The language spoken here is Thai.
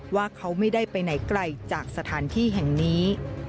ว่าเขาไม่ได้ไปไหนไกลจากสถานที่แห่งนี้